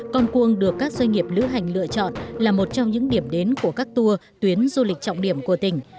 con cuông được các doanh nghiệp lữ hành lựa chọn là một trong những điểm đến của các tour tuyến du lịch trọng điểm của tỉnh